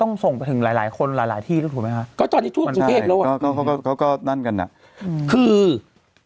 ตอนนี้ถ้าสมมุติเราก็เกินสิบสองคนแล้วนะอืม